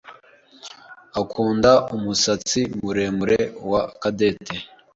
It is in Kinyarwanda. akunda umusatsi muremure wa Cadette.